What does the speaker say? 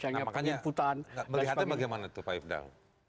nah makanya melihatnya bagaimana itu pak ifdal